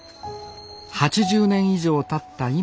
８０年以上たった